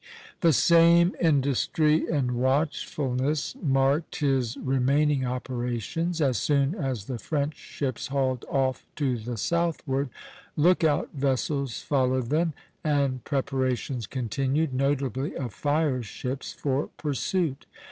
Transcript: The same industry and watchfulness marked his remaining operations. As soon as the French ships hauled off to the southward, lookout vessels followed them, and preparations continued (notably of fireships) for pursuit.